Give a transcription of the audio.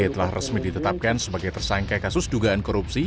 telah resmi ditetapkan sebagai tersangka kasus dugaan korupsi